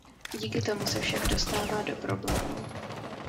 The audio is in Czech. Díky tomu se však dostává do problémů.